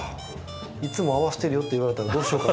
いつも合わしてるよって言われたらどうしようかと。